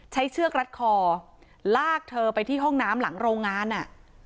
เชือกรัดคอลากเธอไปที่ห้องน้ำหลังโรงงานอ่ะ